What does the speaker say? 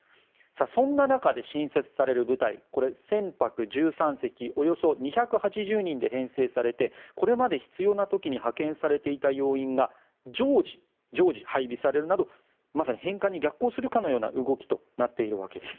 そんな中、新設される部隊船舶１３隻およそ２８０人で編成されてこれまで必要な時に派遣されていた要員が常時、配備されるなどまさに返還に逆行するかのような動きとなっているわけです。